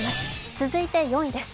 続いて４位です。